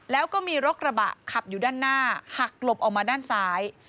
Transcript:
แล้วก็มีรถกระบะขับอยู่ด้านหน้าหักหลบออกมาด้านซ้าย